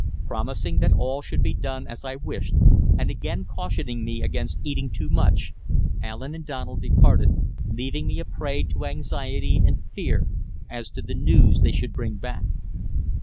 Promising that all should be done as I wished, and again cautioning me against eating too much, Allen and Donald departed, leaving me a prey to anxiety and fear as to the news they should bring back.